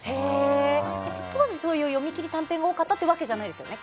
当時、読み切り短編が多かったわけじゃないですよね。